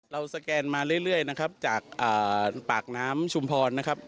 สแกนมาเรื่อยนะครับจากปากน้ำชุมพรนะครับ